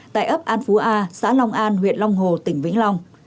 tại ấp an phú a xã long an huyện long hồ tỉnh vĩnh long